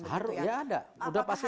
harus ya ada